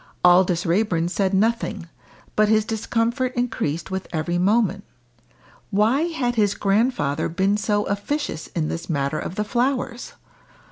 Aldous Raeburn said nothing, but his discomfort increased with every moment. Why had his grandfather been so officious in this matter of the flowers?